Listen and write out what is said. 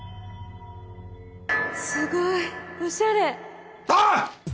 すごい！おしゃれ！